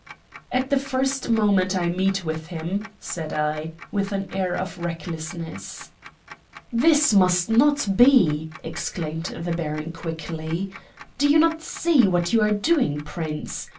"At the first moment I meet with him," said I, with an air of recklessness. "This must not be!" exclaimed the baron quickly. "Do you not see what you are doing, Prince?